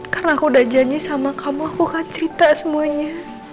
karena aku udah janji sama kamu aku akan cerita semuanya